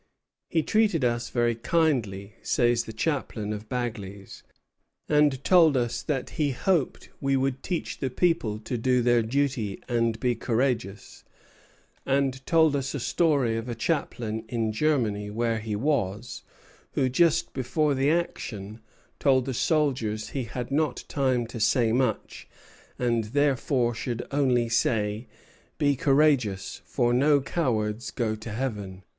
"He treated us very kindly," says the chaplain of Bagley's, "and told us that he hoped we would teach the people to do their duty and be courageous; and told us a story of a chaplain in Germany, where he was, who just before the action told the soldiers he had not time to say much, and therefore should only say: 'Be courageous; for no cowards go to heaven.'